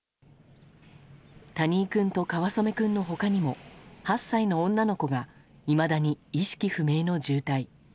谷井君と川染君の他にも８歳の女の子がいまだに意識不明の重体。